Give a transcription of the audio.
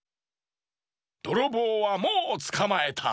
どろぼうはもうつかまえた。